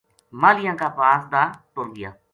ماہلیاں کا پاس دا ٹُر گیا